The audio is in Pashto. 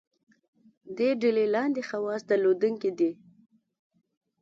دې ډلې لاندې خواص درلودونکي دي.